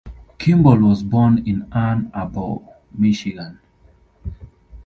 Kimball was born in Ann Arbor, Michigan.